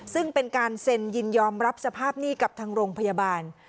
ซึ่งเป็นการเซ็นยินยอมรับสภาพหนี้กับทางโรงพยาบาล